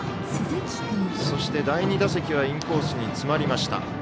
そして第２打席はインコースに詰まりました。